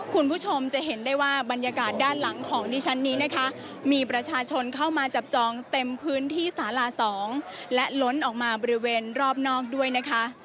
คุณผู้ชมจะเห็นได้ว่าบรรยากาศด้านหลังของดิฉันนี้นะคะมีประชาชนเข้ามาจับจองเต็มพื้นที่สาลา๒และล้นออกมาบริเวณรอบนอกด้วยนะคะ